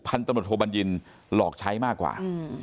พันธุบันยินหลอกใช้มากกว่า